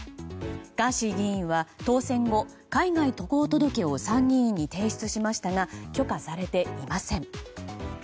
ガーシー議員は当選後海外渡航届を参議院に提出しましたが許可されていません。